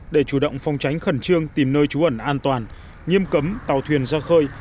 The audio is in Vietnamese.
để chủ động phòng tránh khẩn trương tìm nơi trú ẩn an toàn nghiêm cấm tàu thuyền ra khơi